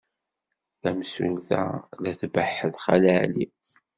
Tamsulta la tbeḥḥet Xali Ɛli.